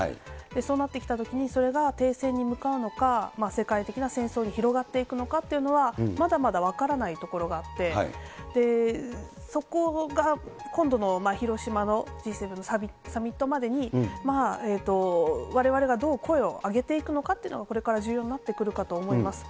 そうなってきたときに、それが停戦に向かうのか、世界的な戦争に広がっていくのかっていうのは、まだまだ分からないところがあって、そこが今度の広島のＧ７のサミットまでに、われわれがどう声を上げていくのかっていうのが、これから重要になってくるかと思います。